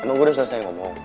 emang gue udah selesai ngomong